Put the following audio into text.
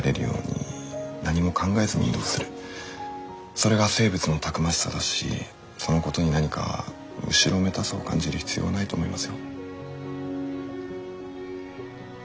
それが生物のたくましさだしそのことに何か後ろめたさを感じる必要はないと思いますよ。